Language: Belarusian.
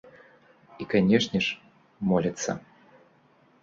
І, канешне ж, моляцца.